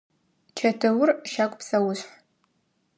Чэтыур – щагу псэушъхь.